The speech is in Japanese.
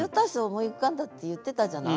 思い浮かんだって言ってたじゃない。